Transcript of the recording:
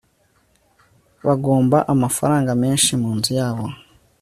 bagomba amafaranga menshi munzu yabo